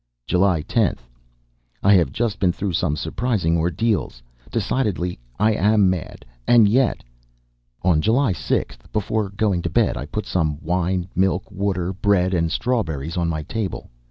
July 10th. I have just been through some surprising ordeals. Decidedly I am mad! And yet! On July 6th, before going to bed, I put some wine, milk, water, bread and strawberries on my table.